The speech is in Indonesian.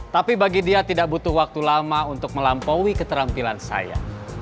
tapi bagi dia tidak butuh waktu lama untuk melampaui keterampilan saya